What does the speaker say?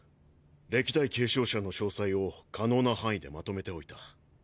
歴代継承者の詳細を可能な範囲で纏めておいた。